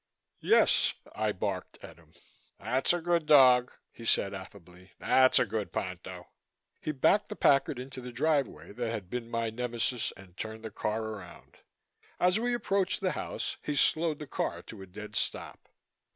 "Yes," I barked at him. "That's a good dog," he said affably. "That's a good Ponto." He backed the Packard into the driveway that had been my nemesis and turned the car around. As we approached the house he slowed the car to a dead stop.